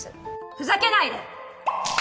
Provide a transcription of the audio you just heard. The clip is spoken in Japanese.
ふざけないで！